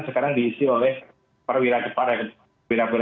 sekarang diisi oleh perwira